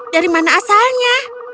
dari mana asalnya